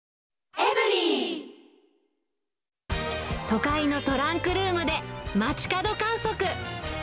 都会のトランクルームで、街角観測。